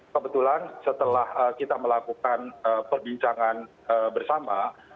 kebetulan setelah kita melakukan perbincangan bersama